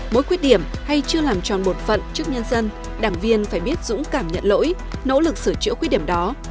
mỗi khuyết điểm hay chưa làm tròn bột phận trước nhân dân đảng viên phải biết dũng cảm nhận lỗi nỗ lực sửa chữa khuyết điểm đó